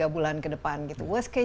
tiga bulan ke depan gitu worst case